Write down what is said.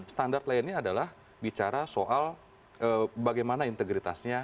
standar lainnya adalah bicara soal bagaimana integritasnya